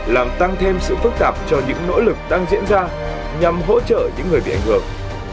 làm tăng thêm sự phức tạp cho những nỗ lực đang diễn ra nhằm hỗ trợ những người bị ảnh hưởng